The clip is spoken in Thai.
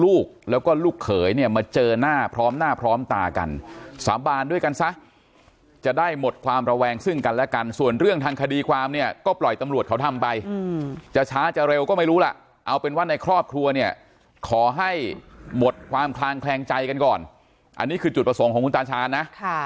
ลูกแล้วก็ลูกเขยเนี่ยมาเจอหน้าพร้อมหน้าพร้อมตากันสาบานด้วยกันซะจะได้หมดความระแวงซึ่งกันและกันส่วนเรื่องทางคดีความเนี่ยก็ปล่อยตำรวจเขาทำไปจะช้าจะเร็วก็ไม่รู้ล่ะเอาเป็นว่าในครอบครัวเนี่ยขอให้หมดความคลางแคลงใจกันก่อนอันนี้คือจุดประสงค์ของคุณตาชาญนะ